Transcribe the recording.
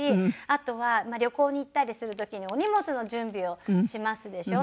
あとは旅行に行ったりする時にお荷物の準備をしますでしょ。